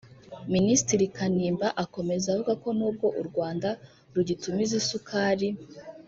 Minisitiri Kanimba akomeza avuga ko nubwo u Rwanda rugitumiza isukari